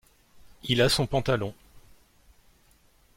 Il a son pantalon.